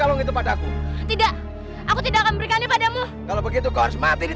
karena kamu aku udah anggap sebagai ibu sendiri